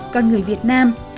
con người việt nam